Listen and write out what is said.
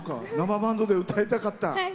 生バンドで歌いたかった。